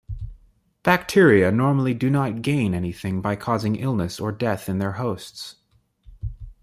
Bacteria normally do not gain anything by causing illness or death in their hosts.